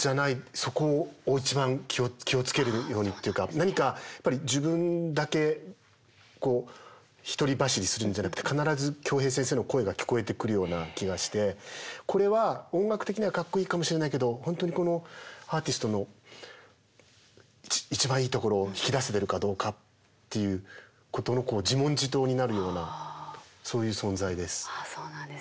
そこを一番気を付けるようにっていうか何かやっぱり自分だけ一人走りするんじゃなくて必ず京平先生の声が聞こえてくるような気がしてこれは音楽的にはかっこいいかもしれないけど本当にこのアーティストの一番いいところを引き出せてるかどうかっていうことの自問自答になるようなそういう存在です。